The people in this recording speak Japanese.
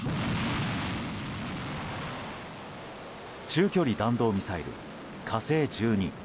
中距離弾道ミサイル「火星１２」。